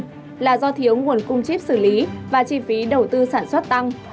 nhiều nhà máy hãng có thiếu nguồn cung chip xử lý và chi phí đầu tư sản xuất tăng